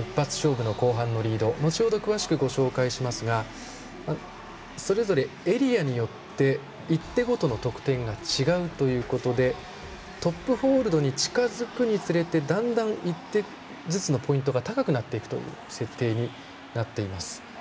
一発勝負の後半のリード後ほど詳しく説明しますがそれぞれエリアによって１手ごとの得点が違うということでトップホールドに近づくにつれてだんだん１手ずつのポイントが高くなっていくという設定になっています。